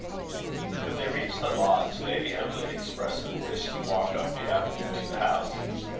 When they reached the lodge, Lady Emily expressed a wish to walk up the avenue to the house.